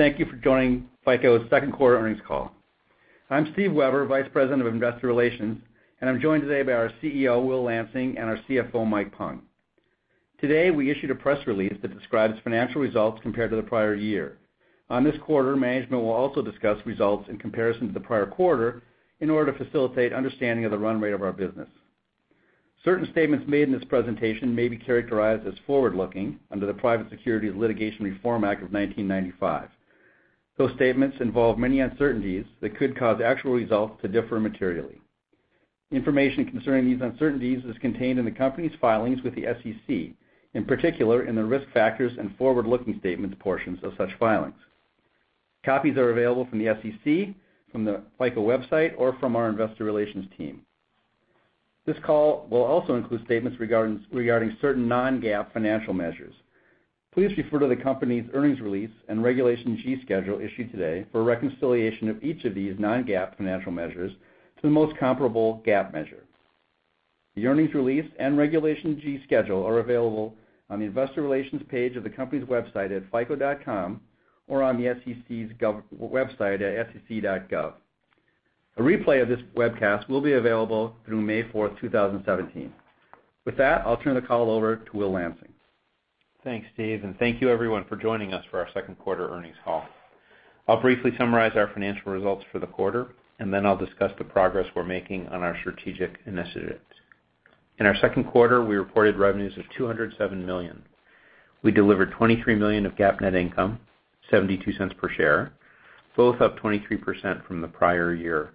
Thank you for joining FICO's second quarter earnings call. I am Steve Weber, Vice President of Investor Relations, and I am joined today by our CEO, Will Lansing, and our CFO, Mike Pung. Today, we issued a press release that describes financial results compared to the prior year. On this quarter, management will also discuss results in comparison to the prior quarter in order to facilitate understanding of the run rate of our business. Certain statements made in this presentation may be characterized as forward-looking under the Private Securities Litigation Reform Act of 1995. Those statements involve many uncertainties that could cause actual results to differ materially. Information concerning these uncertainties is contained in the company's filings with the SEC, in particular in the risk factors and forward-looking statements portions of such filings. Copies are available from the SEC, from the FICO website, or from our investor relations team. This call will also include statements regarding certain non-GAAP financial measures. Please refer to the company's earnings release and Regulation G schedule issued today for a reconciliation of each of these non-GAAP financial measures to the most comparable GAAP measure. The earnings release and Regulation G schedule are available on the investor relations page of the company's website at fico.com or on the SEC's website at sec.gov. A replay of this webcast will be available through May 4th, 2017. With that, I will turn the call over to Will Lansing. Thanks, Steve, and thank you everyone for joining us for our second quarter earnings call. I will briefly summarize our financial results for the quarter, and then I will discuss the progress we are making on our strategic initiatives. In our second quarter, we reported revenues of $207 million. We delivered $23 million of GAAP net income, $0.72 per share, both up 23% from the prior year.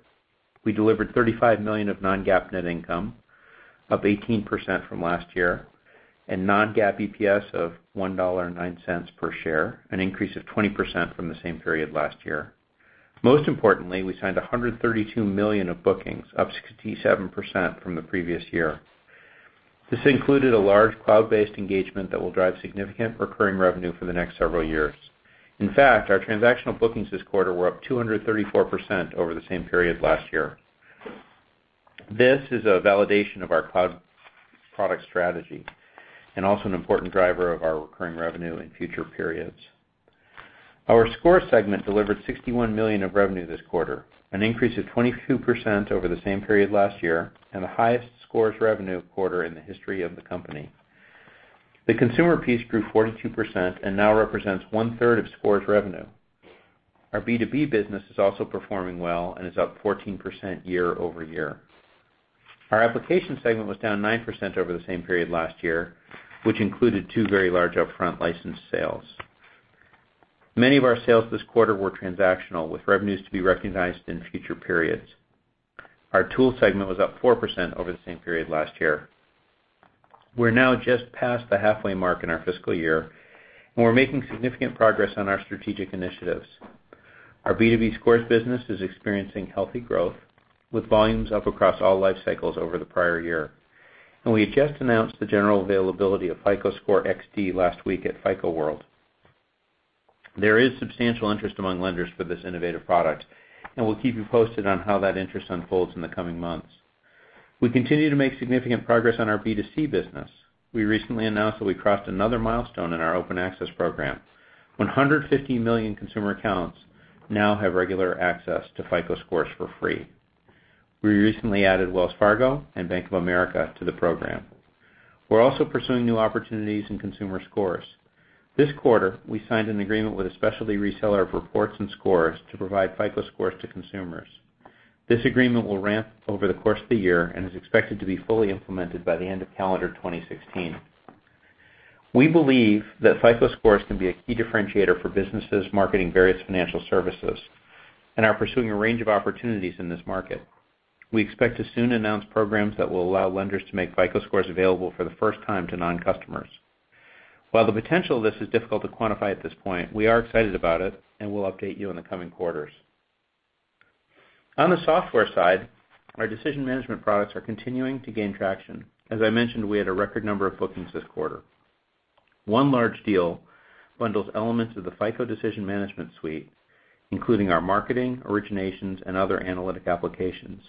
We delivered $35 million of non-GAAP net income, up 18% from last year, and non-GAAP EPS of $1.09 per share, an increase of 20% from the same period last year. Most importantly, we signed $132 million of bookings, up 67% from the previous year. This included a large cloud-based engagement that will drive significant recurring revenue for the next several years. In fact, our transactional bookings this quarter were up 234% over the same period last year. This is a validation of our cloud product strategy and also an important driver of our recurring revenue in future periods. Our Scores segment delivered $61 million of revenue this quarter, an increase of 22% over the same period last year, and the highest Scores revenue quarter in the history of the company. The consumer piece grew 42% and now represents one-third of Scores revenue. Our B2B business is also performing well and is up 14% year-over-year. Our Applications segment was down 9% over the same period last year, which included two very large upfront license sales. Many of our sales this quarter were transactional, with revenues to be recognized in future periods. Our Tools segment was up 4% over the same period last year. We are now just past the halfway mark in our fiscal year, and we are making significant progress on our strategic initiatives. Our B2B Scores business is experiencing healthy growth, with volumes up across all life cycles over the prior year. We have just announced the general availability of FICO Score XD last week at FICO World. There is substantial interest among lenders for this innovative product, and we'll keep you posted on how that interest unfolds in the coming months. We continue to make significant progress on our B2C business. We recently announced that we crossed another milestone in our open access program. 150 million consumer accounts now have regular access to FICO Scores for free. We recently added Wells Fargo and Bank of America to the program. We're also pursuing new opportunities in consumer scores. This quarter, we signed an agreement with a specialty reseller of reports and scores to provide FICO Scores to consumers. This agreement will ramp over the course of the year and is expected to be fully implemented by the end of calendar 2016. We believe that FICO Scores can be a key differentiator for businesses marketing various financial services and are pursuing a range of opportunities in this market. We expect to soon announce programs that will allow lenders to make FICO Scores available for the first time to non-customers. While the potential of this is difficult to quantify at this point, we are excited about it, and we'll update you in the coming quarters. On the software side, our decision management products are continuing to gain traction. As I mentioned, we had a record number of bookings this quarter. One large deal bundles elements of the FICO Decision Management Suite, including our marketing, originations, and other analytic applications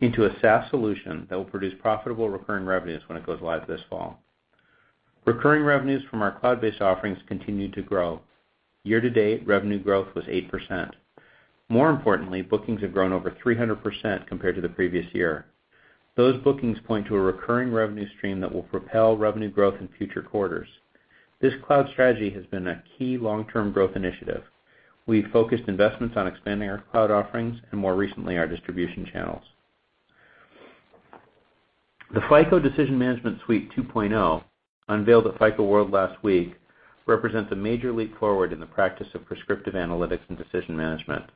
into a SaaS solution that will produce profitable recurring revenues when it goes live this fall. Recurring revenues from our cloud-based offerings continue to grow. Year to date, revenue growth was 8%. More importantly, bookings have grown over 300% compared to the previous year. Those bookings point to a recurring revenue stream that will propel revenue growth in future quarters. This cloud strategy has been a key long-term growth initiative. We've focused investments on expanding our cloud offerings and more recently, our distribution channels. The FICO Decision Management Suite 2.0, unveiled at FICO World last week, represents a major leap forward in the practice of prescriptive analytics and decision management.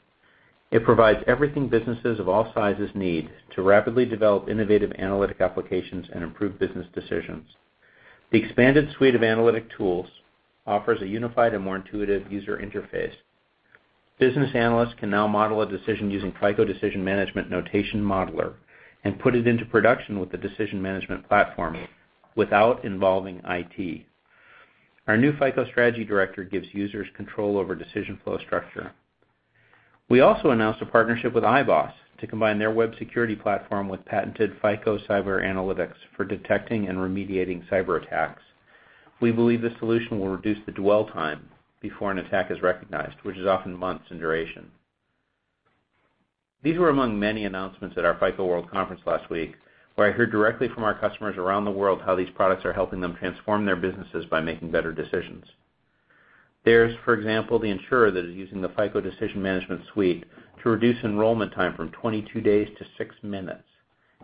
It provides everything businesses of all sizes need to rapidly develop innovative analytic applications and improve business decisions. The expanded suite of analytic tools offers a unified and more intuitive user interface. Business analysts can now model a decision using FICO Decision Management Notation Modeler and put it into production with the Decision Management platform without involving IT. Our new FICO Strategy Director gives users control over decision flow structure. We also announced a partnership with iboss to combine their web security platform with patented FICO cyber analytics for detecting and remediating cyber attacks. We believe this solution will reduce the dwell time before an attack is recognized, which is often months in duration. These were among many announcements at our FICO World Conference last week, where I heard directly from our customers around the world how these products are helping them transform their businesses by making better decisions. There is, for example, the insurer that is using the FICO Decision Management Suite to reduce enrollment time from 22 days to six minutes,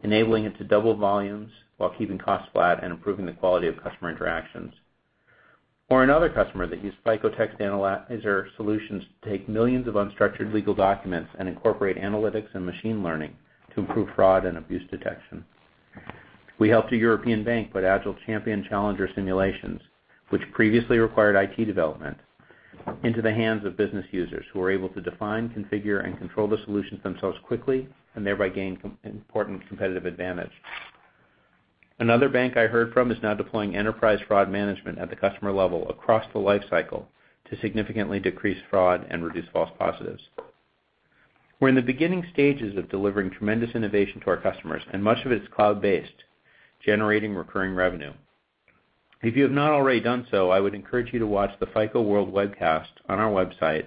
enabling it to double volumes while keeping costs flat and improving the quality of customer interactions. Another customer that used FICO Text Analytics solutions to take millions of unstructured legal documents and incorporate analytics and machine learning to improve fraud and abuse detection. We helped a European bank put agile champion challenger simulations, which previously required IT development, into the hands of business users who were able to define, configure, and control the solutions themselves quickly, and thereby gain important competitive advantage. Another bank I heard from is now deploying enterprise fraud management at the customer level across the lifecycle to significantly decrease fraud and reduce false positives. We're in the beginning stages of delivering tremendous innovation to our customers. Much of it is cloud-based, generating recurring revenue. If you have not already done so, I would encourage you to watch the FICO World webcast on our website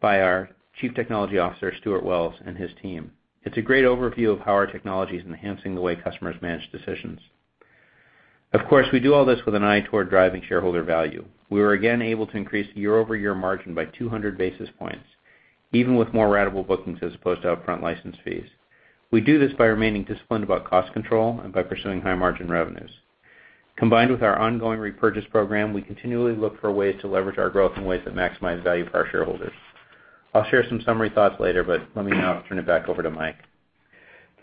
by our Chief Technology Officer, Stuart Wells, and his team. It's a great overview of how our technology is enhancing the way customers manage decisions. Of course, we do all this with an eye toward driving shareholder value. We were again able to increase year-over-year margin by 200 basis points, even with more ratable bookings as opposed to upfront license fees. We do this by remaining disciplined about cost control and by pursuing high-margin revenues. Combined with our ongoing repurchase program, we continually look for ways to leverage our growth in ways that maximize value for our shareholders. I'll share some summary thoughts later. Let me now turn it back over to Mike.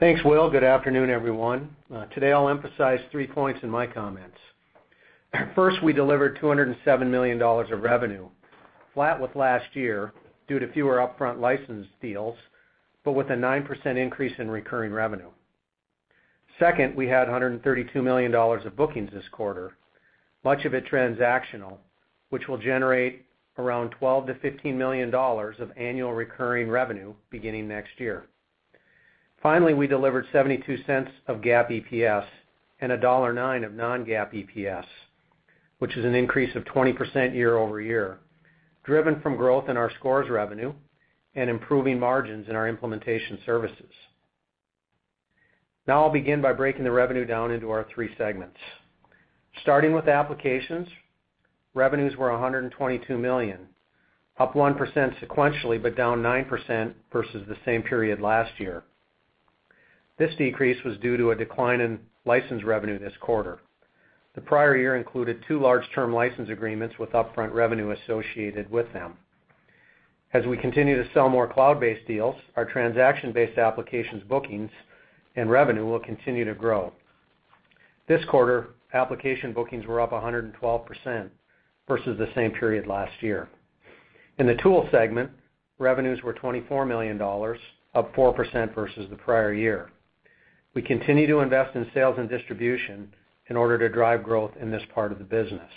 Thanks, Will. Good afternoon, everyone. Today, I'll emphasize three points in my comments. First, we delivered $207 million of revenue, flat with last year due to fewer upfront license deals, with a 9% increase in recurring revenue. Second, we had $132 million of bookings this quarter, much of it transactional, which will generate around $12 million-$15 million of annual recurring revenue beginning next year. Finally, we delivered $0.72 of GAAP EPS and $1.09 of non-GAAP EPS, which is an increase of 20% year-over-year, driven from growth in our scores revenue and improving margins in our implementation services. Now I'll begin by breaking the revenue down into our three segments. Starting with applications, revenues were $122 million, up 1% sequentially, down 9% versus the same period last year. This decrease was due to a decline in license revenue this quarter. The prior year included two large-term license agreements with upfront revenue associated with them. As we continue to sell more cloud-based deals, our transaction-based applications, bookings, and revenue will continue to grow. This quarter, application bookings were up 112% versus the same period last year. In the tool segment, revenues were $24 million, up 4% versus the prior year. We continue to invest in sales and distribution in order to drive growth in this part of the business.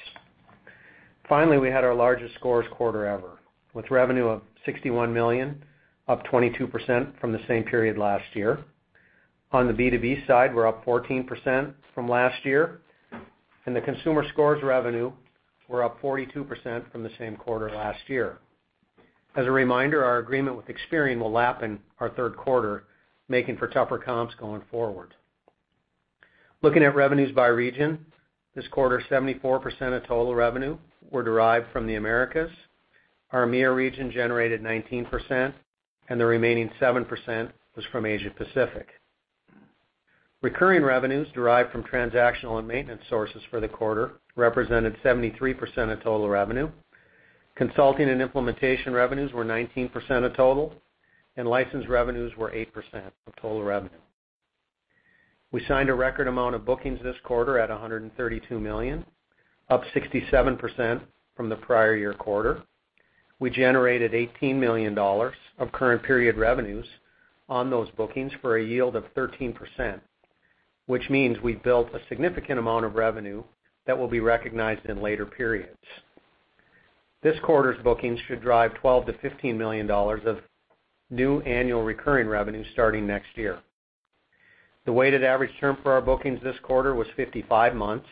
Finally, we had our largest Scores quarter ever, with revenue of $61 million, up 22% from the same period last year. On the B2B side, we are up 14% from last year. In the consumer Scores revenue, we are up 42% from the same quarter last year. As a reminder, our agreement with Experian will lap in our third quarter, making for tougher comps going forward. Looking at revenues by region, this quarter, 74% of total revenue were derived from the Americas. Our EMEA region generated 19%, and the remaining 7% was from Asia Pacific. Recurring revenues derived from transactional and maintenance sources for the quarter represented 73% of total revenue. Consulting and implementation revenues were 19% of total, and license revenues were 8% of total revenue. We signed a record amount of bookings this quarter at $132 million, up 67% from the prior year quarter. We generated $18 million of current period revenues on those bookings for a yield of 13%, which means we built a significant amount of revenue that will be recognized in later periods. This quarter's bookings should drive $12 million-$15 million of new annual recurring revenue starting next year. The weighted average term for our bookings this quarter was 55 months,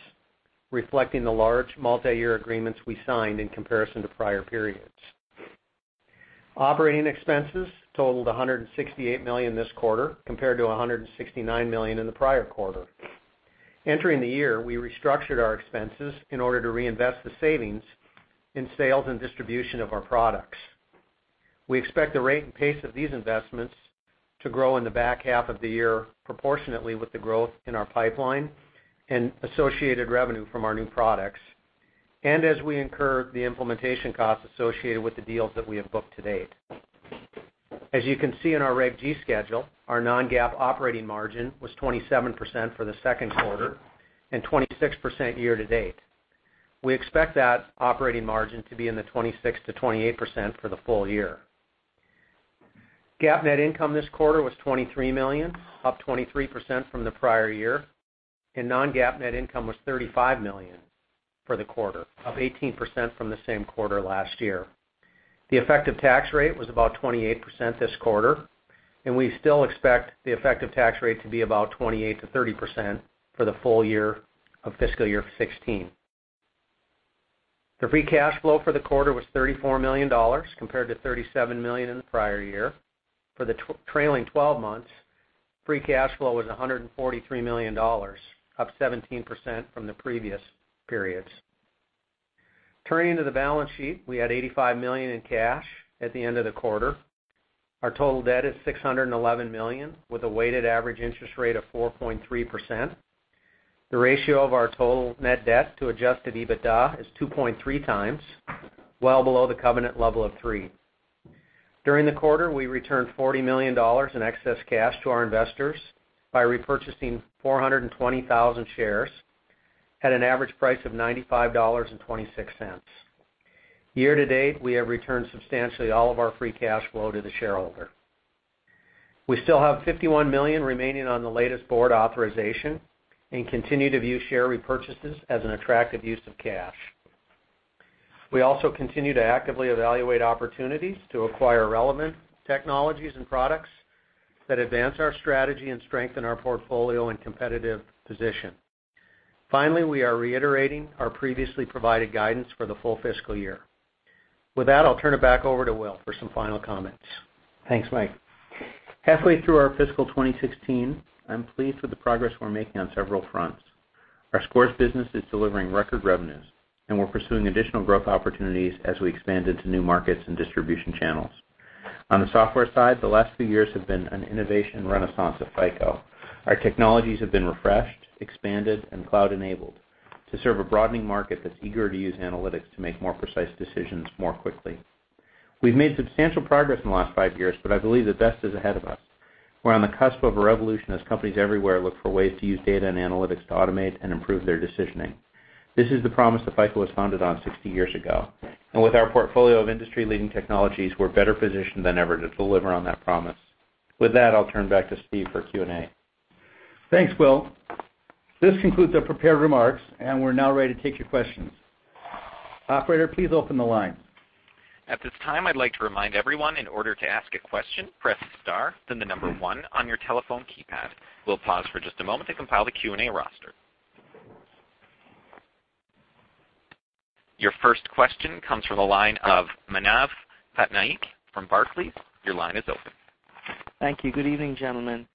reflecting the large multi-year agreements we signed in comparison to prior periods. Operating expenses totaled $168 million this quarter, compared to $169 million in the prior quarter. Entering the year, we restructured our expenses in order to reinvest the savings in sales and distribution of our products. We expect the rate and pace of these investments to grow in the back half of the year proportionately with the growth in our pipeline and associated revenue from our new products, and as we incur the implementation costs associated with the deals that we have booked to date. As you can see in our Reg G schedule, our non-GAAP operating margin was 27% for the second quarter and 26% year to date. We expect that operating margin to be in the 26%-28% for the full year. GAAP net income this quarter was $23 million, up 23% from the prior year, and non-GAAP net income was $35 million for the quarter, up 18% from the same quarter last year. The effective tax rate was about 28% this quarter, and we still expect the effective tax rate to be about 28%-30% for the full year of fiscal year 2016. The free cash flow for the quarter was $34 million, compared to $37 million in the prior year. For the trailing 12 months, free cash flow was $143 million, up 17% from the previous periods. Turning to the balance sheet, we had $85 million in cash at the end of the quarter. Our total debt is $611 million, with a weighted average interest rate of 4.3%. The ratio of our total net debt to adjusted EBITDA is 2.3 times, well below the covenant level of 3. During the quarter, we returned $40 million in excess cash to our investors by repurchasing 420,000 shares at an average price of $95.26. Year-to-date, we have returned substantially all of our free cash flow to the shareholder. We still have $51 million remaining on the latest board authorization and continue to view share repurchases as an attractive use of cash. Finally, we are reiterating our previously provided guidance for the full fiscal year. With that, I'll turn it back over to Will for some final comments. Thanks, Mike. Halfway through our fiscal 2016, I'm pleased with the progress we're making on several fronts. Our Scores business is delivering record revenues, and we're pursuing additional growth opportunities as we expand into new markets and distribution channels. On the software side, the last few years have been an innovation renaissance at FICO. Our technologies have been refreshed, expanded, and cloud-enabled to serve a broadening market that's eager to use analytics to make more precise decisions more quickly. We've made substantial progress in the last five years, but I believe the best is ahead of us. We're on the cusp of a revolution as companies everywhere look for ways to use data and analytics to automate and improve their decisioning. This is the promise that FICO was founded on 60 years ago. With our portfolio of industry-leading technologies, we're better positioned than ever to deliver on that promise. With that, I'll turn back to Steve for Q&A. Thanks, Will. This concludes our prepared remarks, and we're now ready to take your questions. Operator, please open the line. At this time, I'd like to remind everyone, in order to ask a question, press star, then the number 1 on your telephone keypad. We'll pause for just a moment to compile the Q&A roster. Your first question comes from the line of Manav Patnaik from Barclays. Your line is open. Thank you. Good evening, gentlemen.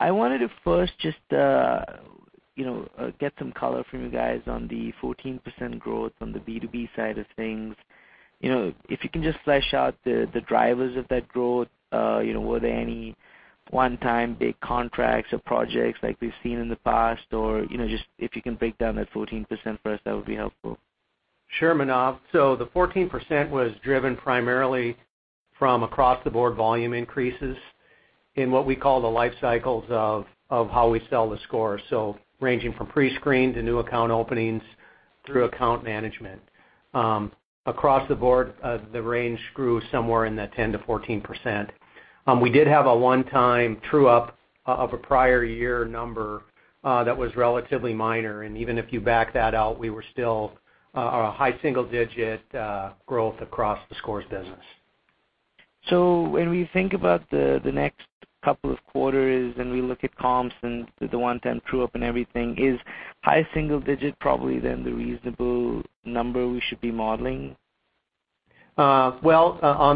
I wanted to first just get some color from you guys on the 14% growth on the B2B side of things. If you can just flesh out the drivers of that growth, were there any one-time big contracts or projects like we've seen in the past, or just if you can break down that 14% for us, that would be helpful. Sure, Manav. The 14% was driven primarily from across-the-board volume increases in what we call the life cycles of how we sell the Score. Ranging from pre-screen to new account openings through account management. Across the board, the range grew somewhere in the 10%-14%. We did have a one-time true-up of a prior year number that was relatively minor, and even if you back that out, we were still a high single-digit growth across the Scores business. When we think about the next couple of quarters and we look at comps and the one-time true-up and everything, is high single-digit probably then the reasonable number we should be modeling? On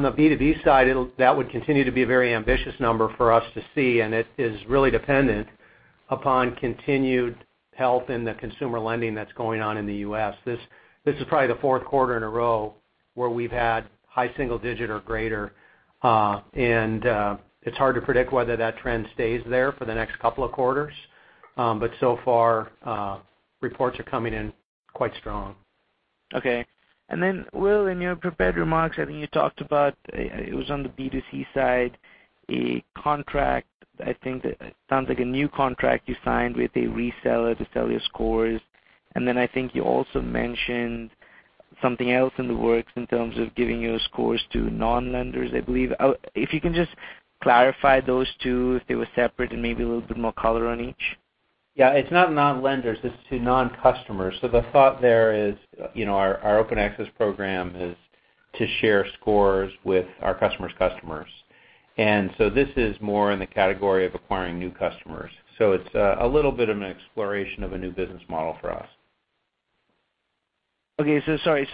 the B2B side, that would continue to be a very ambitious number for us to see, and it is really dependent upon continued health in the consumer lending that's going on in the U.S. This is probably the fourth quarter in a row where we've had high single digit or greater. It's hard to predict whether that trend stays there for the next couple of quarters. So far, reports are coming in quite strong. Okay. Will, in your prepared remarks, I think you talked about, it was on the B2C side, a contract, I think that sounds like a new contract you signed with a reseller to sell your Scores. I think you also mentioned something else in the works in terms of giving your Scores to non-lenders, I believe. If you can just clarify those two, if they were separate, and maybe a little bit more color on each. Yeah, it's not non-lenders, it's to non-customers. The thought there is our Open Access Program is to share Scores with our customers' customers. This is more in the category of acquiring new customers. It's a little bit of an exploration of a new business model for us. Okay. Sorry.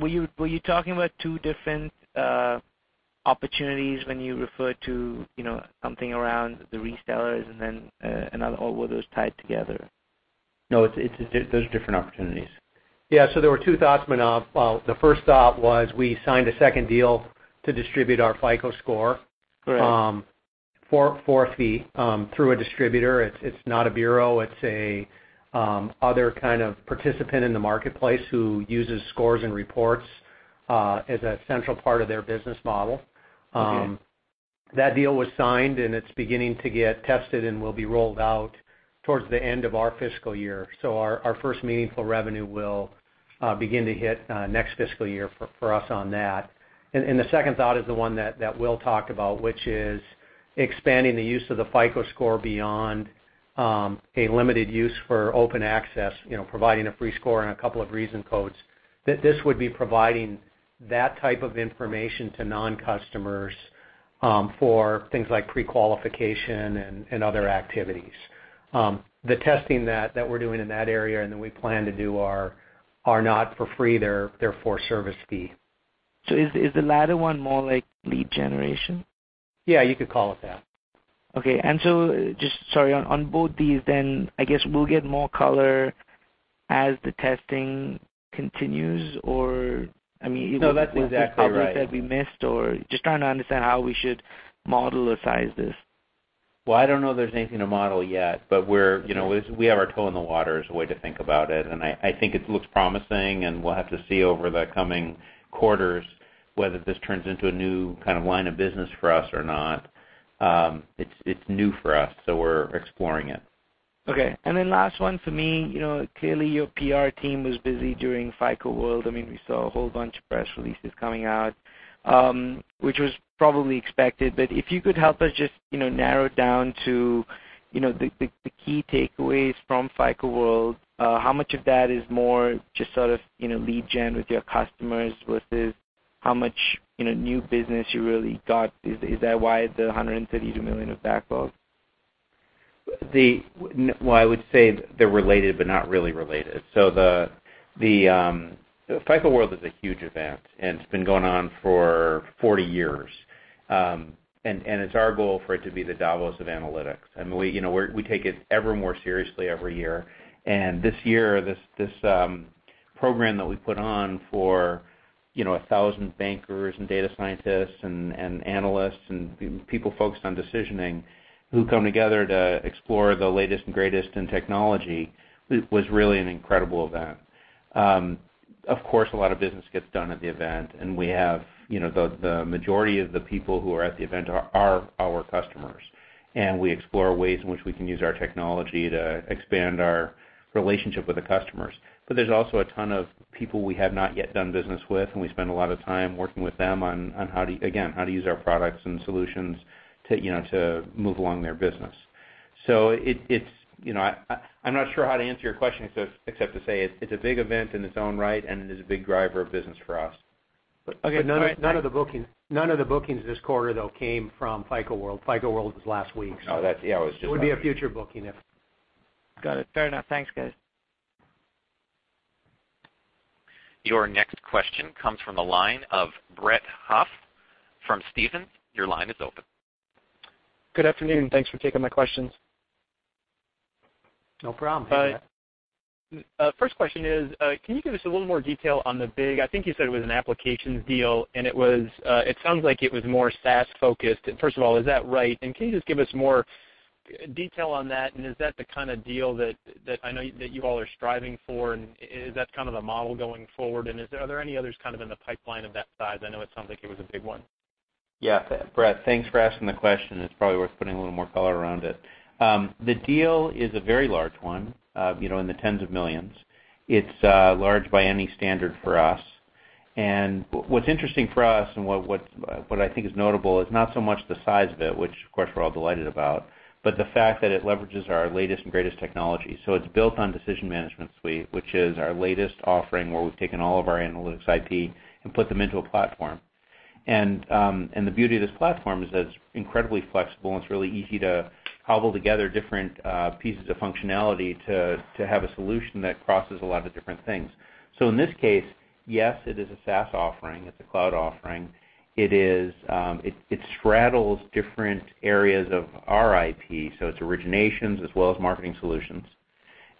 Were you talking about two different opportunities when you referred to something around the resellers and then another, or were those tied together? No, those are different opportunities. Yeah, there were two thoughts, Manav. The first thought was we signed a second deal to distribute our FICO Score- Right for a fee through a distributor. It's not a bureau. It's an other kind of participant in the marketplace who uses scores and reports as a central part of their business model. Okay. That deal was signed, and it's beginning to get tested and will be rolled out towards the end of our fiscal year. Our first meaningful revenue will begin to hit next fiscal year for us on that. The second thought is the one that we'll talk about, which is expanding the use of the FICO Score beyond a limited use for FICO Score Open Access, providing a free score and a couple of reason codes. That this would be providing that type of information to non-customers for things like pre-qualification and other activities. The testing that we're doing in that area and that we plan to do are not for free. They're for a service fee. Is the latter one more like lead generation? Yeah, you could call it that. Okay. Just sorry, on both these then, I guess we'll get more color as the testing continues, or? No, that's exactly right. There's probably stuff we missed or just trying to understand how we should model or size this. Well, I don't know if there's anything to model yet, but we have our toe in the water is a way to think about it, and I think it looks promising, and we'll have to see over the coming quarters whether this turns into a new kind of line of business for us or not. It's new for us. We're exploring it. Okay. Last one for me. Clearly, your PR team was busy during FICO World. We saw a whole bunch of press releases coming out, which was probably expected. If you could help us just narrow it down to the key takeaways from FICO World. How much of that is more just sort of lead gen with your customers versus how much new business you really got? Is that why the $132 million of backlog? Well, I would say they're related but not really related. FICO World is a huge event, and it's been going on for 40 years. It's our goal for it to be the Davos of analytics. We take it ever more seriously every year. This year, this program that we put on for 1,000 bankers and data scientists and analysts and people focused on decisioning who come together to explore the latest and greatest in technology, was really an incredible event. Of course, a lot of business gets done at the event, and the majority of the people who are at the event are our customers, and we explore ways in which we can use our technology to expand our relationship with the customers. There's also a ton of people we have not yet done business with, and we spend a lot of time working with them on how to, again, how to use our products and solutions to move along their business. I'm not sure how to answer your question except to say it's a big event in its own right, and it is a big driver of business for us. Okay. None of the bookings this quarter, though, came from FICO World. FICO World was last week. No, that's. Yeah, I was just. It would be a future booking if. Got it. Fair enough. Thanks, guys. Your next question comes from the line of Brett Huff, from Stephens. Your line is open. Good afternoon. Thanks for taking my questions. No problem. First question is, can you give us a little more detail on the big, I think you said it was an applications deal, and it sounds like it was more SaaS focused. First of all, is that right? Can you just give us more detail on that? Is that the kind of deal that I know that you all are striving for, and is that kind of the model going forward? Are there any others kind of in the pipeline of that size? I know it sounds like it was a big one. Yeah. Brett, thanks for asking the question. It's probably worth putting a little more color around it. The deal is a very large one in the $10s of millions. It's large by any standard for us. What's interesting for us and what I think is notable is not so much the size of it, which, of course, we're all delighted about, but the fact that it leverages our latest and greatest technology. It's built on Decision Management Suite, which is our latest offering where we've taken all of our analytics IP and put them into a platform. The beauty of this platform is that it's incredibly flexible, and it's really easy to cobble together different pieces of functionality to have a solution that crosses a lot of different things. In this case, yes, it is a SaaS offering. It's a cloud offering. It straddles different areas of our IP, so it's originations as well as marketing solutions.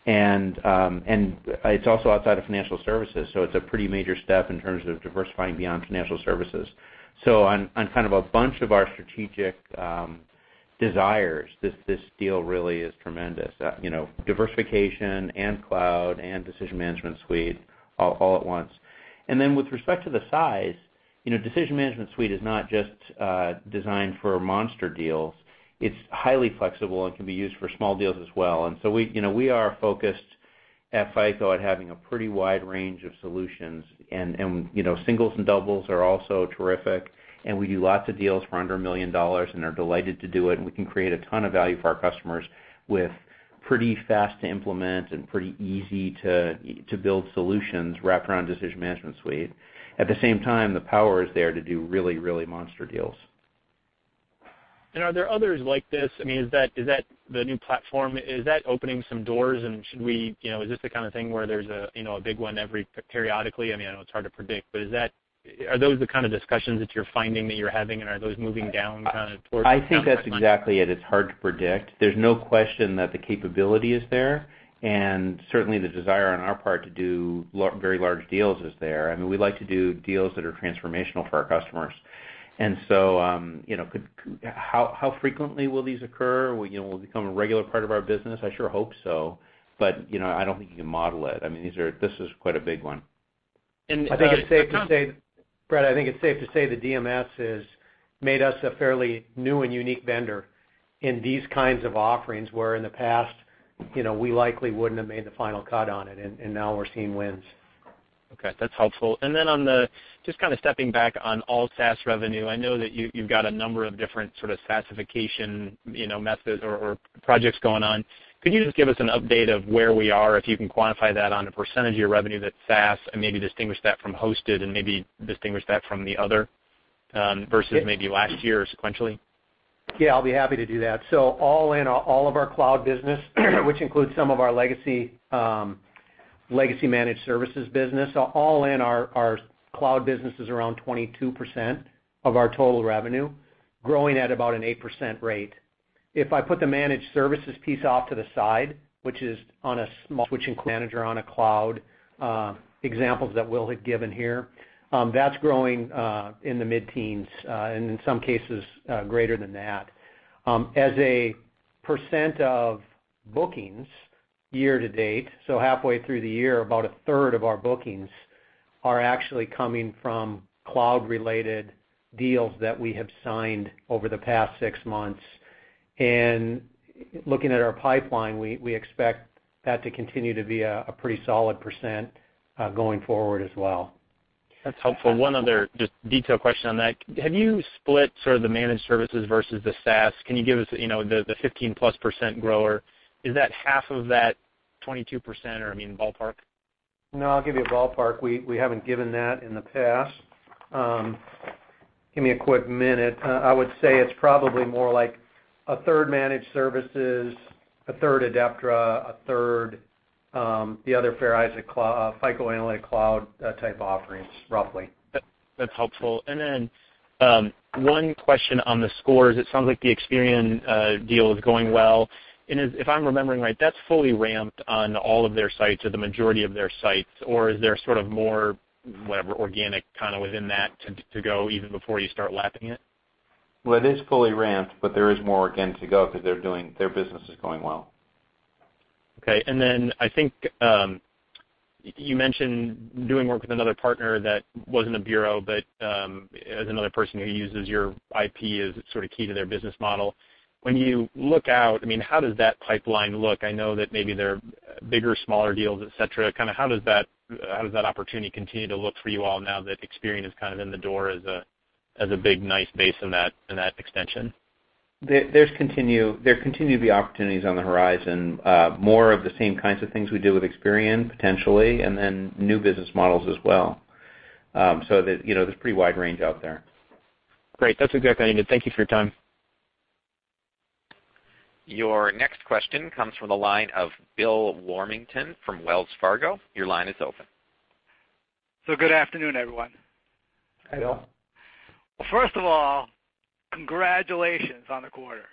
It's also outside of financial services, so it's a pretty major step in terms of diversifying beyond financial services. On kind of a bunch of our strategic desires, this deal really is tremendous. Diversification and cloud and Decision Management Suite all at once. With respect to the size, Decision Management Suite is not just designed for monster deals. It's highly flexible and can be used for small deals as well. We are focused at FICO at having a pretty wide range of solutions, and singles and doubles are also terrific, and we do lots of deals for under $1 million and are delighted to do it, and we can create a ton of value for our customers with pretty fast to implement and pretty easy to build solutions wrapped around Decision Management Suite. At the same time, the power is there to do really, really monster deals. Are there others like this? Is that the new platform? Is that opening some doors? Is this the kind of thing where there's a big one every periodically? I know it's hard to predict, but are those the kind of discussions that you're finding that you're having? I think that's exactly it. It's hard to predict. There's no question that the capability is there, and certainly the desire on our part to do very large deals is there. We like to do deals that are transformational for our customers. How frequently will these occur? Will it become a regular part of our business? I sure hope so, but I don't think you can model it. This is quite a big one. I think it's safe to say, Brett, I think it's safe to say the DMS has made us a fairly new and unique vendor in these kinds of offerings, where in the past, we likely wouldn't have made the final cut on it, and now we're seeing wins. Okay, that's helpful. Just stepping back on all SaaS revenue, I know that you've got a number of different sort of SaaSification methods or projects going on. Could you just give us an update of where we are, if you can quantify that on a % of your revenue that's SaaS and maybe distinguish that from hosted and maybe distinguish that from the other versus maybe last year sequentially? I'll be happy to do that. All in all of our cloud business, which includes some of our legacy managed services business, all in our cloud business is around 22% of our total revenue, growing at about an 8% rate. If I put the managed services piece off to the side, which is on a small manager on a cloud, examples that Will had given here, that's growing in the mid-teens, and in some cases, greater than that. As a percent of bookings year to date, halfway through the year, about a third of our bookings are actually coming from cloud-related deals that we have signed over the past six months. Looking at our pipeline, we expect that to continue to be a pretty solid percent going forward as well. That's helpful. One other just detailed question on that. Have you split the managed services versus the SaaS? Can you give us the 15+% grower? Is that half of that 22% or ballpark? No, I'll give you a ballpark. We haven't given that in the past. Give me a quick minute. I would say it's probably more like a third managed services, a third Adeptra, a third the other Fair Isaac FICO Analytic Cloud type offerings, roughly. That's helpful. Then one question on the scores. It sounds like the Experian deal is going well. If I'm remembering right, that's fully ramped on all of their sites or the majority of their sites, or is there more organic kind of within that to go even before you start lapping it? It is fully ramped, there is more, again, to go because their business is going well. Okay. I think you mentioned doing work with another partner that wasn't a bureau, as another person who uses your IP as sort of key to their business model. When you look out, how does that pipeline look? I know that maybe there are bigger, smaller deals, et cetera. How does that opportunity continue to look for you all now that Experian is kind of in the door as a big, nice base in that extension? There continue to be opportunities on the horizon. More of the same kinds of things we do with Experian, potentially, new business models as well. There's a pretty wide range out there. Great. That's exactly what I needed. Thank you for your time. Your next question comes from the line of Bill Warmington from Wells Fargo. Your line is open. Good afternoon, everyone. Hi, Bill. First of all, congratulations on the quarter.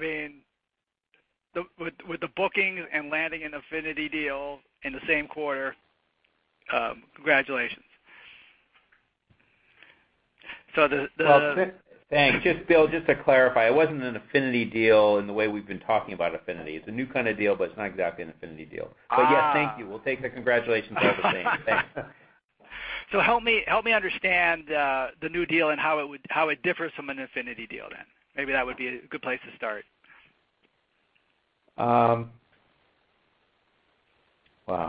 With the bookings and landing an affinity deal in the same quarter, congratulations. Thanks. Bill, just to clarify, it wasn't an affinity deal in the way we've been talking about affinity. It's a new kind of deal, but it's not exactly an affinity deal. Yes, thank you. We'll take the congratulations all the same. Thanks. Help me understand the new deal and how it differs from an affinity deal then. Maybe that would be a good place to start. Wow.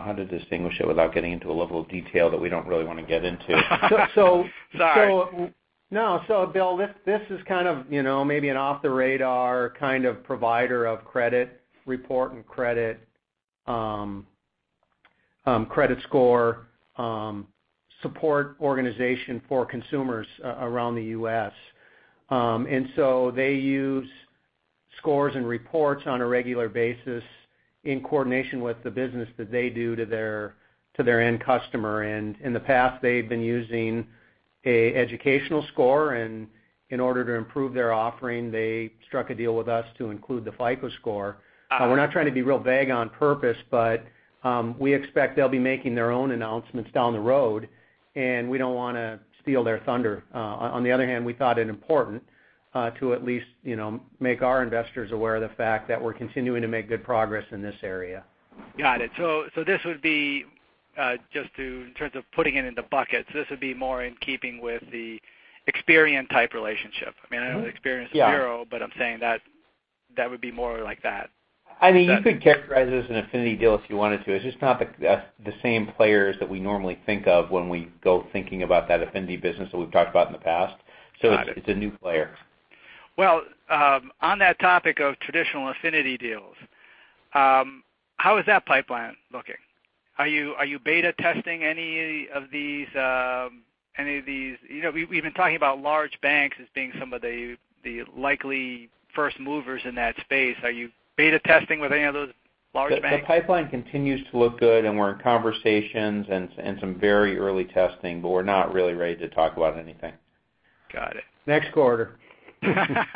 How to distinguish it without getting into a level of detail that we don't really want to get into. Sorry. No. Bill, this is kind of maybe an off-the-radar kind of provider of credit report and credit Score support organization for consumers around the U.S. They use scores and reports on a regular basis in coordination with the business that they do to their end customer. In the past, they've been using an educational score, and in order to improve their offering, they struck a deal with us to include the FICO Score. We're not trying to be real vague on purpose, but we expect they'll be making their own announcements down the road, and we don't want to steal their thunder. On the other hand, we thought it important to at least make our investors aware of the fact that we're continuing to make good progress in this area. Got it. In terms of putting it into buckets, this would be more in keeping with the Experian-type relationship. I know Experian's Yeah a bureau, but I'm saying that would be more like that. You could characterize it as an affinity deal if you wanted to. It's just not the same players that we normally think of when we go thinking about that affinity business that we've talked about in the past. Got it. It's a new player. On that topic of traditional affinity deals, how is that pipeline looking? We've been talking about large banks as being some of the likely first movers in that space. Are you beta testing with any of those large banks? The pipeline continues to look good, and we're in conversations and some very early testing, but we're not really ready to talk about anything. Got it. Next quarter. Now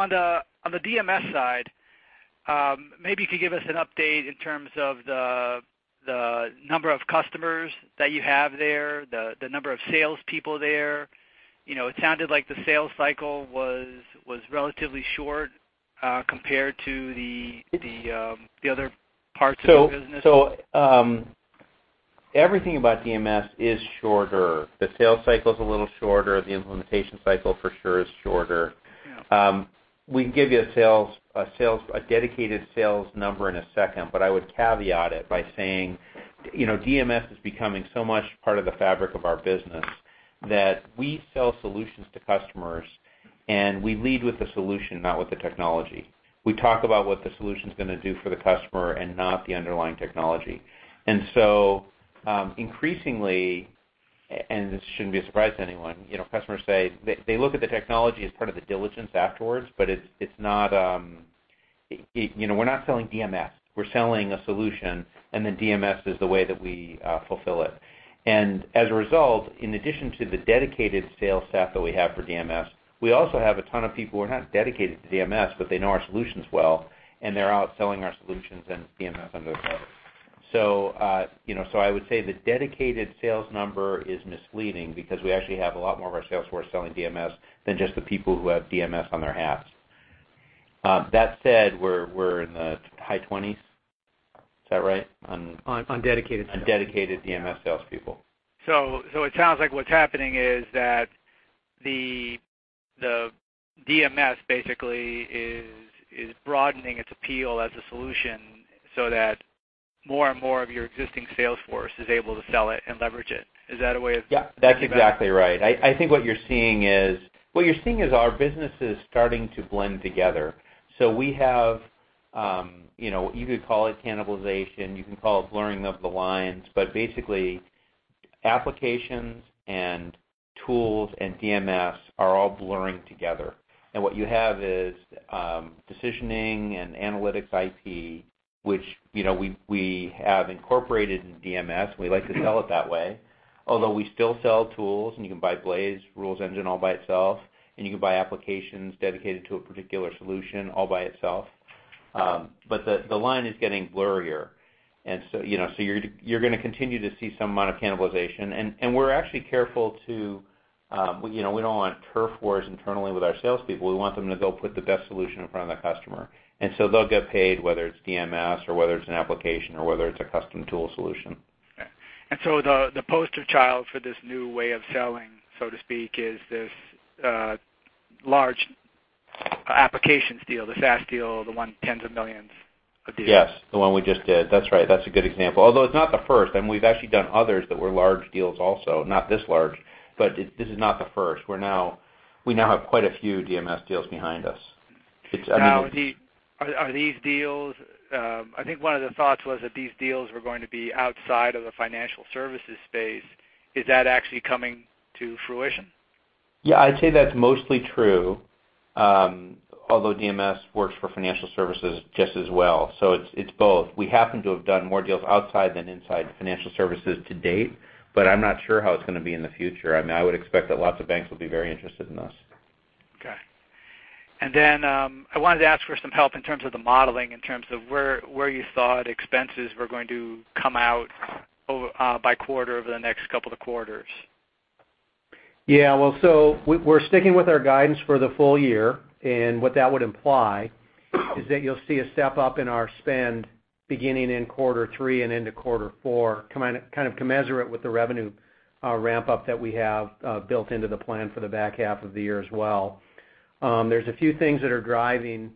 on the DMS side, maybe you could give us an update in terms of the number of customers that you have there, the number of salespeople there. It sounded like the sales cycle was relatively short compared to the other parts of the business? Everything about DMS is shorter. The sales cycle is a little shorter. The implementation cycle for sure is shorter. Yeah. We can give you a dedicated sales number in a second, but I would caveat it by saying DMS is becoming so much part of the fabric of our business that we sell solutions to customers, and we lead with the solution, not with the technology. We talk about what the solution's going to do for the customer and not the underlying technology. Increasingly, and this shouldn't be a surprise to anyone, customers say they look at the technology as part of the diligence afterwards, but we're not selling DMS. We're selling a solution, DMS is the way that we fulfill it. As a result, in addition to the dedicated sales staff that we have for DMS, we also have a ton of people who are not dedicated to DMS, but they know our solutions well, and they're out selling our solutions and DMS under their belt. I would say the dedicated sales number is misleading because we actually have a lot more of our sales force selling DMS than just the people who have DMS on their hats. That said, we're in the high 20s. Is that right on- On dedicated sales on dedicated DMS salespeople. It sounds like what you're seeing is that the DMS basically is broadening its appeal as a solution so that more and more of your existing sales force is able to sell it and leverage it. Is that a way of- Yeah thinking about it? That's exactly right. I think what you're seeing is our businesses starting to blend together. We have, you could call it cannibalization, you can call it blurring of the lines, but basically, applications and tools and DMS are all blurring together. What you have is decisioning and analytics IP, which we have incorporated in DMS. We like to sell it that way, although we still sell tools, and you can buy FICO Blaze Advisor all by itself, and you can buy applications dedicated to a particular solution all by itself. The line is getting blurrier, and so you're going to continue to see some amount of cannibalization. We're actually careful. We don't want turf wars internally with our salespeople. We want them to go put the best solution in front of the customer. They'll get paid, whether it's DMS or whether it's an application or whether it's a custom tool solution. Okay. The poster child for this new way of selling, so to speak, is this large applications deal, the SaaS deal, the one $10s of millions of deals. Yes. The one we just did. That's right. That's a good example. Although it's not the first, and we've actually done others that were large deals also, not this large, but this is not the first. We now have quite a few DMS deals behind us. I think one of the thoughts was that these deals were going to be outside of the financial services space. Is that actually coming to fruition? I'd say that's mostly true. Although DMS works for financial services just as well, so it's both. We happen to have done more deals outside than inside financial services to date, but I'm not sure how it's going to be in the future. I would expect that lots of banks will be very interested in this. Okay. I wanted to ask for some help in terms of the modeling, in terms of where you thought expenses were going to come out by quarter over the next couple of quarters. Yeah. We're sticking with our guidance for the full year, what that would imply is that you'll see a step-up in our spend beginning in quarter three and into quarter four, kind of commensurate with the revenue ramp-up that we have built into the plan for the back half of the year as well. There's a few things that are driving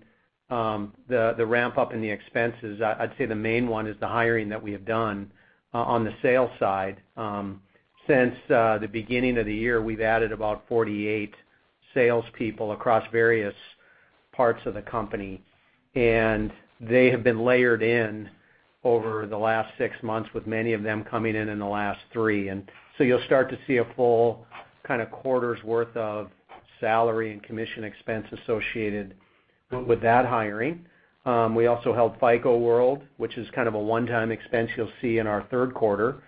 the ramp-up in the expenses. I'd say the main one is the hiring that we have done on the sales side. Since the beginning of the year, we've added about 48 salespeople across various parts of the company, and they have been layered in over the last six months, with many of them coming in in the last three. You'll start to see a full quarter's worth of salary and commission expense associated with that hiring. We also held FICO World, which is kind of a one-time expense you'll see in our third quarter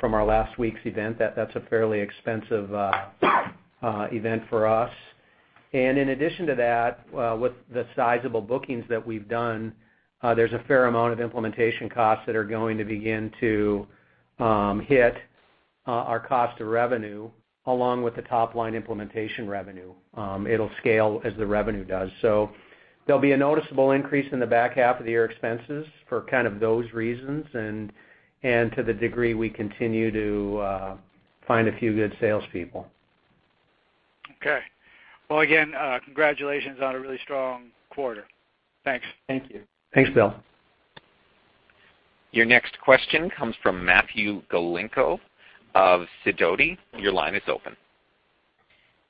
from our last week's event. That's a fairly expensive event for us. In addition to that, with the sizable bookings that we've done, there's a fair amount of implementation costs that are going to begin to hit our cost of revenue, along with the top-line implementation revenue. It'll scale as the revenue does. There'll be a noticeable increase in the back half of the year expenses for those reasons and to the degree we continue to find a few good salespeople. Okay. Again, congratulations on a really strong quarter. Thanks. Thank you. Thanks, Bill. Your next question comes from Matthew Galinko of Sidoti. Your line is open.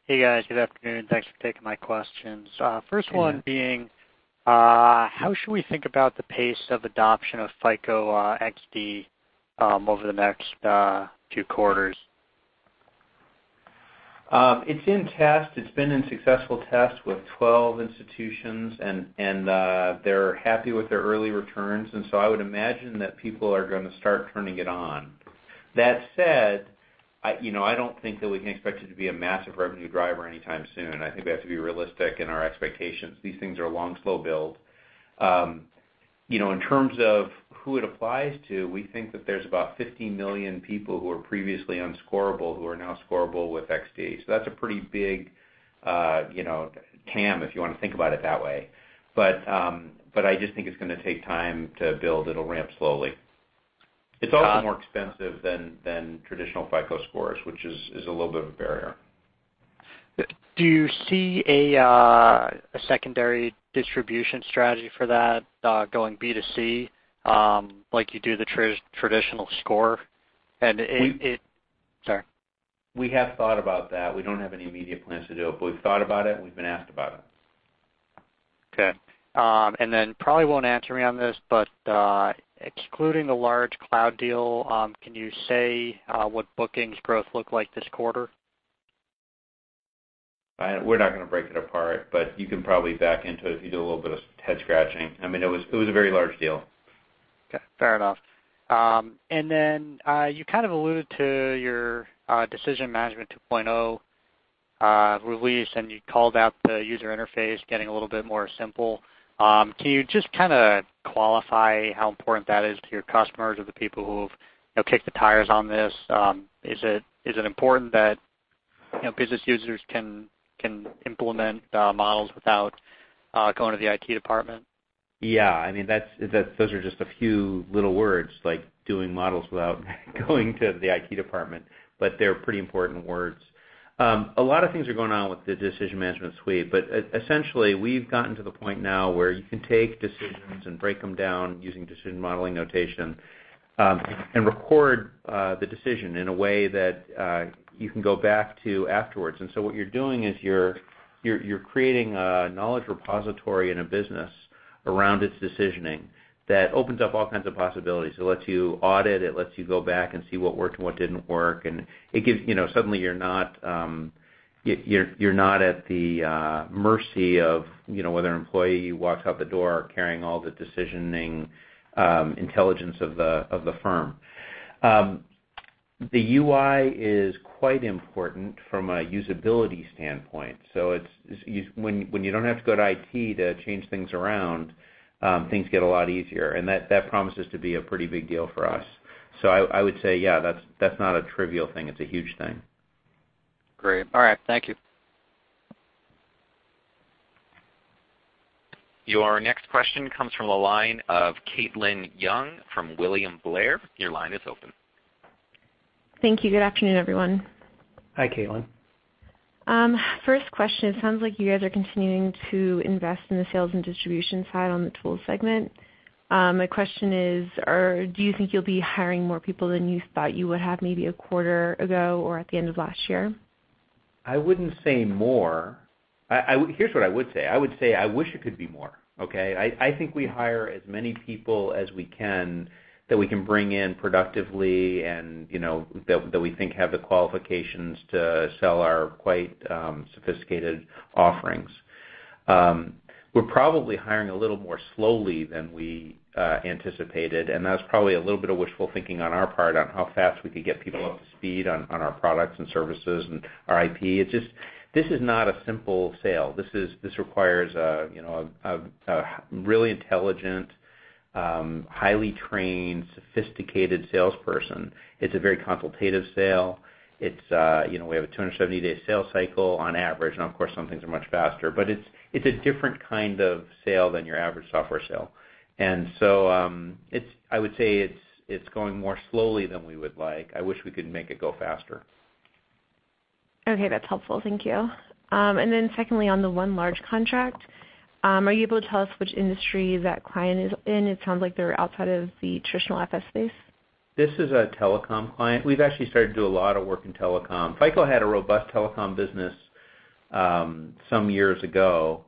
Hey, guys. Good afternoon. Thanks for taking my questions. Yeah. First one being, how should we think about the pace of adoption of FICO XD over the next two quarters? It's in test. It's been in successful test with 12 institutions, and they're happy with their early returns. I would imagine that people are going to start turning it on. That said, I don't think that we can expect it to be a massive revenue driver anytime soon. I think we have to be realistic in our expectations. These things are a long slow build. In terms of who it applies to, we think that there's about 50 million people who were previously unscorable who are now scorable with XD. That's a pretty big TAM, if you want to think about it that way. I just think it's going to take time to build. It'll ramp slowly. It's also more expensive than traditional FICO Scores, which is a little bit of a barrier. Do you see a secondary distribution strategy for that, going B2C, like you do the traditional score? We- Sorry. We have thought about that. We don't have any immediate plans to do it, we've thought about it, and we've been asked about it. Okay. Probably won't answer me on this, but excluding the large cloud deal, can you say what bookings growth looked like this quarter? We're not going to break it apart, but you can probably back into it if you do a little bit of head-scratching. It was a very large deal. Okay, fair enough. You kind of alluded to your Decision Management 2.0 release, and you called out the user interface getting a little bit more simple. Can you just qualify how important that is to your customers or the people who've kicked the tires on this? Is it important that business users can implement models without going to the IT department? Yeah. Those are just a few little words, like doing models without going to the IT department, but they're pretty important words. A lot of things are going on with the Decision Management Suite, but essentially, we've gotten to the point now where you can take decisions and break them down using Decision Model and Notation and record the decision in a way that you can go back to afterwards. What you're doing is you're creating a knowledge repository in a business around its decisioning that opens up all kinds of possibilities. It lets you audit, it lets you go back and see what worked and what didn't work, and suddenly you're not at the mercy of whether an employee walks out the door carrying all the decisioning intelligence of the firm. The UI is quite important from a usability standpoint. When you don't have to go to IT to change things around, things get a lot easier, that promises to be a pretty big deal for us. I would say, yeah, that's not a trivial thing. It's a huge thing. Great. All right. Thank you. Your next question comes from the line of Caitlin Young from William Blair. Your line is open. Thank you. Good afternoon, everyone. Hi, Caitlin. First question, it sounds like you guys are continuing to invest in the sales and distribution side on the tools segment. My question is, do you think you'll be hiring more people than you thought you would have maybe a quarter ago or at the end of last year? I wouldn't say more. Here's what I would say. I would say I wish it could be more, okay? I think we hire as many people as we can that we can bring in productively and that we think have the qualifications to sell our quite sophisticated offerings. We're probably hiring a little more slowly than we anticipated, and that's probably a little bit of wishful thinking on our part on how fast we could get people up to speed on our products and services and our IP. This is not a simple sale. This requires a really intelligent, highly trained, sophisticated salesperson. It's a very consultative sale. We have a 270-day sales cycle on average, and of course, some things are much faster. It's a different kind of sale than your average software sale. I would say it's going more slowly than we would like. I wish we could make it go faster. Okay, that's helpful. Thank you. Secondly, on the one large contract, are you able to tell us which industry that client is in? It sounds like they're outside of the traditional FS space. This is a telecom client. We've actually started to do a lot of work in telecom. FICO had a robust telecom business some years ago,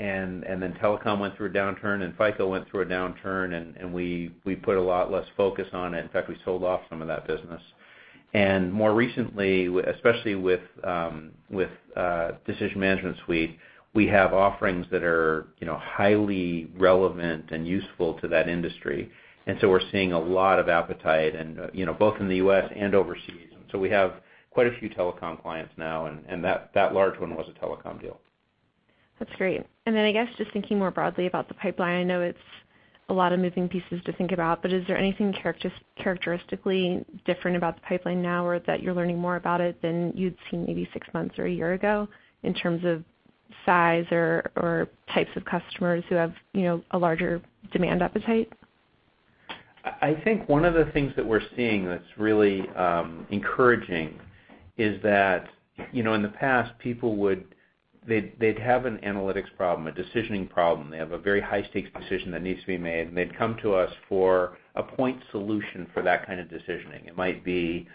telecom went through a downturn, FICO went through a downturn, and we put a lot less focus on it. In fact, we sold off some of that business. More recently, especially with Decision Management Suite, we have offerings that are highly relevant and useful to that industry. We're seeing a lot of appetite, both in the U.S. and overseas. We have quite a few telecom clients now, and that large one was a telecom deal. That's great. I guess just thinking more broadly about the pipeline, I know it's a lot of moving pieces to think about, but is there anything characteristically different about the pipeline now, or that you're learning more about it than you'd seen maybe six months or a year ago in terms of size or types of customers who have a larger demand appetite? I think one of the things that we're seeing that's really encouraging is that in the past, people would have an analytics problem, a decisioning problem. They have a very high-stakes decision that needs to be made, and they'd come to us for a point solution for that kind of decisioning. It might be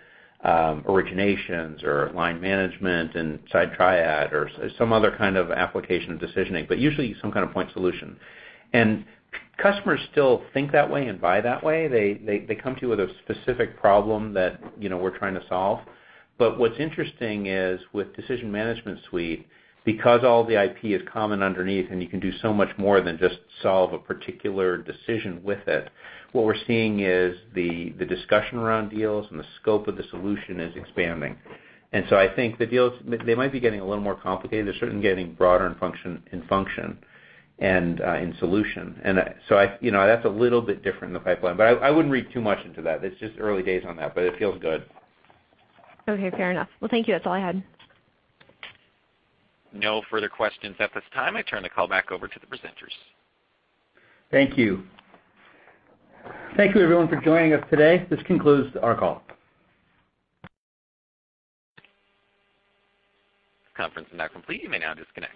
originations or line management inside TRIAD or some other kind of application decisioning, but usually some kind of point solution. Customers still think that way and buy that way. They come to you with a specific problem that we're trying to solve. What's interesting is with Decision Management Suite, because all the IP is common underneath and you can do so much more than just solve a particular decision with it, what we're seeing is the discussion around deals and the scope of the solution is expanding. I think the deals, they might be getting a little more complicated. They're certainly getting broader in function and in solution. That's a little bit different in the pipeline, but I wouldn't read too much into that. It's just early days on that, but it feels good. Okay, fair enough. Well, thank you. That's all I had. No further questions at this time. I turn the call back over to the presenters. Thank you. Thank you everyone for joining us today. This concludes our call. Conference is now complete. You may now disconnect.